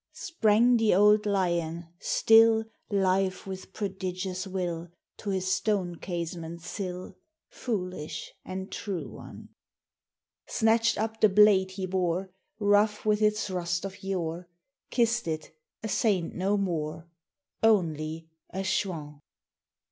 Sprang the old lion, still Live with prodigious will, To his stone casement sill; Foolish and true one! Snatched up the blade he bore, Rough with its rust of yore, Kissed it, a saint no more Only a Chouan!